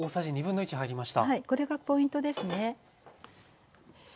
これがポイントですね。